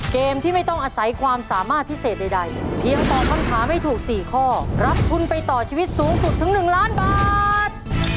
เกมที่ไม่ต้องอาศัยความสามารถพิเศษใดเพียงตอบคำถามให้ถูก๔ข้อรับทุนไปต่อชีวิตสูงสุดถึง๑ล้านบาท